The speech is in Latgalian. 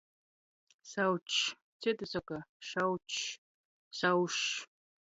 Saučs, cyti soka – šaučs, saušs.